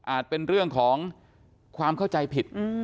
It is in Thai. เป็นเรื่องของความเข้าใจผิด